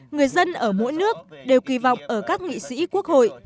người dân ở mỗi nước đều kỳ vọng ở các nghị sĩ quốc hội